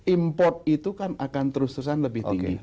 import itu kan akan terus terusan lebih tinggi